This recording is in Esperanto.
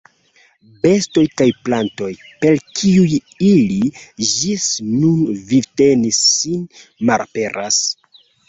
Bestoj kaj plantoj, per kiuj ili ĝis nun vivtenis sin, malaperas.